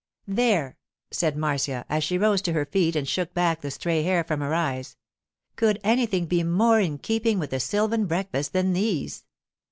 'There!' said Marcia as she rose to her feet and shook back the stray hair from her eyes. 'Could anything be more in keeping with a sylvan breakfast than these?